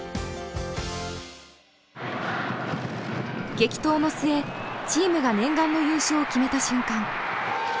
激闘の末チームが念願の優勝を決めた瞬間